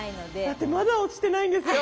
だってまだ落ちてないんですよ。